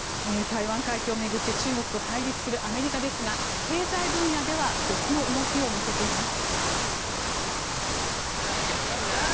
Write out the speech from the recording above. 台湾海峡を巡って中国と対立するアメリカですが経済分野では別の動きを見せています。